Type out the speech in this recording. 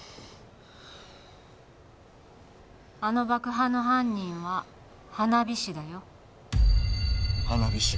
あの爆破の犯人は花火師だよ花火師？